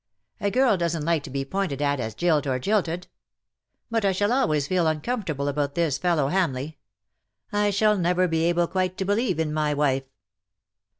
A girl doesn^t like to be pointed at as jilt or jilted. But I shall always feel uncomfortable about this fellow, Hamleigh. I shall never be able quite to believe in my wife."